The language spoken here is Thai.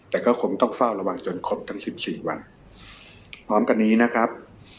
แต่ก็คงต้องเฝ้าระวังจนครบทั้งสิบสี่วันพร้อมกันนี้นะครับ